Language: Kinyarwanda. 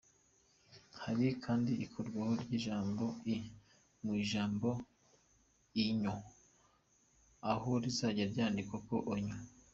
Hari kandi ikurwaho rya “i” mu ijambo “Oignon’’, aho rizajya ryandikwa nka "Ognon".